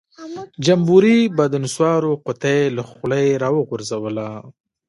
جمبوري به د نسوارو قطۍ له خولۍ راوغورځوله.